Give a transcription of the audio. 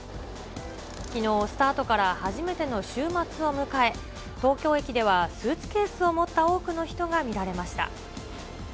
きのう、スタートから初めての週末を迎え、東京駅ではスーツケースを持った多くの人が見られました。